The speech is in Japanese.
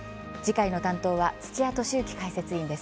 担当は土屋敏之解説委員です。